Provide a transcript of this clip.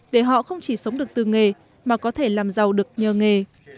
để họ không chỉ sống được từ nghề mà có thể làm giàu được nhờ nghề